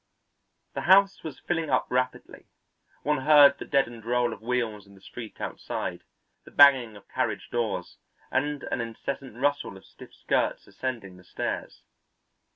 The house was filling up rapidly; one heard the deadened roll of wheels in the street outside, the banging of carriage doors, and an incessant rustle of stiff skirts ascending the stairs.